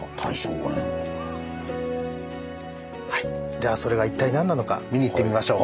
ではそれは一体何なのか見に行ってみましょう。